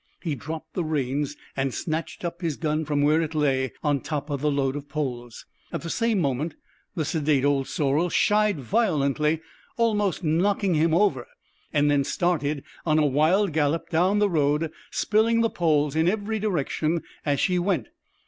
He dropped the reins and snatched up his gun from where it lay on top of the load of poles. At the same moment the sedate old sorrel shied violently, almost knocking him over, and then started on a wild gallop down the road, spilling the poles in every direction as she went.